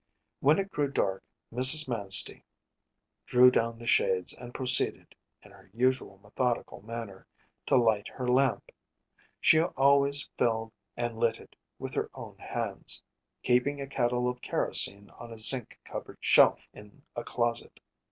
When it grew dark Mrs. Manstey drew down the shades and proceeded, in her usual methodical manner, to light her lamp. She always filled and lit it with her own hands, keeping a kettle of kerosene on a zinc covered shelf in a closet.